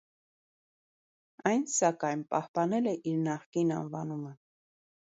Այն, սակայն, պահպանել է իր նախկին անվանումը։